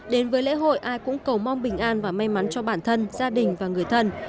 đến với lễ hội ai cũng cầu mong bình an và may mắn cho bản thân gia đình và người thân